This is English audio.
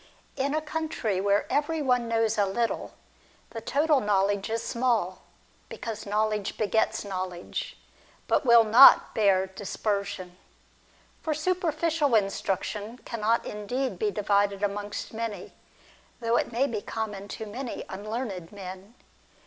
In a country where every one knows a little, the total knowledge is small ; because knowledge begets knowledge, but will not bear dispersion. For superficial instruction cannot indeed be divided amongst many, though it may be common to many unlearned men.